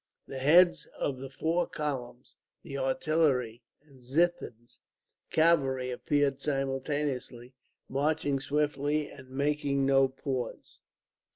The heads of the four columns, the artillery, and Ziethen's cavalry appeared simultaneously, marching swiftly and making no pause.